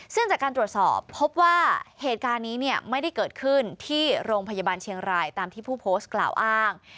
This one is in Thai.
ซึ่งจากการตรวจสอบพบว่าเหตุการณ์นี้เนี่ยไม่ได้เกิดขึ้นที่โรงพยาบาลเชียงรายตามที่ผู้โพสต์กล่าวอ้าง